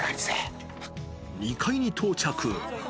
２階に到着。